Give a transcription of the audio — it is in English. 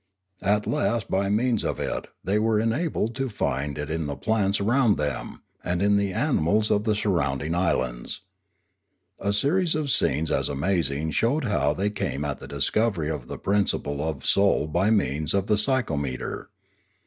At last by means of it they were enabled to find it in the plants around them, and in the animals of the surrounding islands. A series of scenes as amazing showed how they came at the discovery of the principle of soul by means of the psy chometer.